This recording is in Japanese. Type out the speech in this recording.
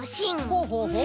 ほうほうほう。